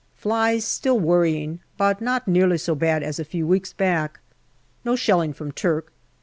Flies still worrying, but not nearly so badly as a few weeks back. No shelling from Turk.